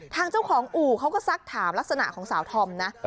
ทางเจ้าของอู่เขาก็ซักถามลักษณะของสาวธอมนะ